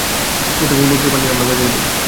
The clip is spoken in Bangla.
উট এবং বকরীর পাল বাইরে নিয়ে যাবে।